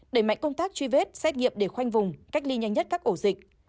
đẩy mạnh công tác truy vết xét nghiệm để khoanh vùng cách ly nhanh nhất các ổ dịch